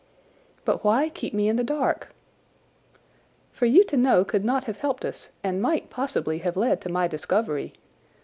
"But why keep me in the dark?" "For you to know could not have helped us and might possibly have led to my discovery.